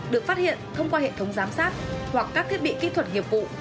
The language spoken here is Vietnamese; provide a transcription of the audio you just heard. được phát hiện thông qua hệ thống giám sát hoặc các thiết bị kỹ thuật nghiệp vụ